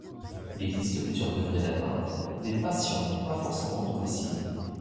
Il existe plusieurs degrés d'atteinte, les patients n'ont pas forcément tous les signes.